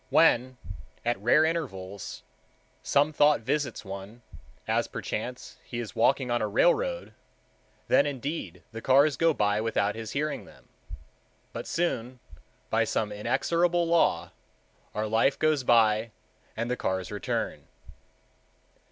When, at rare intervals, some thought visits one, as perchance he is walking on a railroad, then, indeed, the cars go by without his hearing them. But soon, by some inexorable law, our life goes by and the cars return.